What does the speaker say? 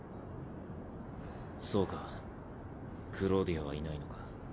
そうかクローディアはいないのか。